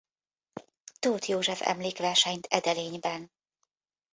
Tóth József-emlékversenyt Edelényben.